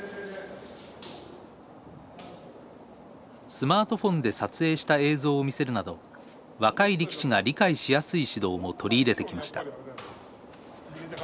スマートフォンで撮影した映像を見せるなど若い力士が理解しやすい指導も取り入れてきました。